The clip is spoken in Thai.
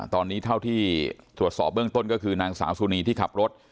ตอนนี้เท่าที่ตรวจสอบเบื้องต้นก็คือนางสาวสุนีที่ขับรถ